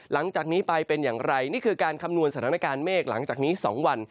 หลังจากนี้ไปเป็นอย่างไรนี่คือการคำนวณสถานการณ์เมฆหลังจากนี้๒วัน